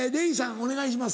お願いします。